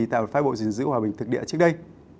tại phái bộ gìn giữ hòa bình thực địa trước đây